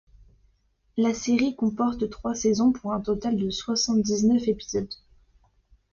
La série comporte trois saisons pour un total de soixante-dix neuf épisodes.